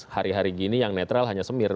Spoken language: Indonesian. hari hari gini yang netral hanya semir